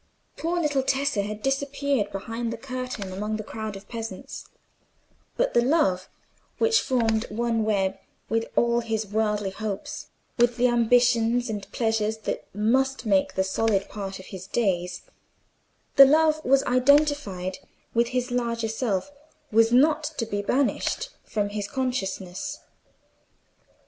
Poor little Tessa had disappeared behind the curtain among the crowd of peasants; but the love which formed one web with all his worldly hopes, with the ambitions and pleasures that must make the solid part of his days—the love that was identified with his larger self—was not to be banished from his consciousness.